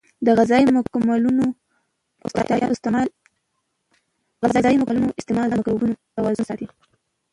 د غذایي مکملونو استعمال د مایکروبونو توازن ساتي.